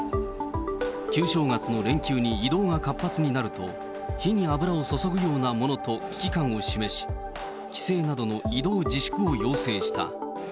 旧正月の連休に移動が活発になると、火に油を注ぐようなものと危機感を示し、帰省などの移動自粛を要請した。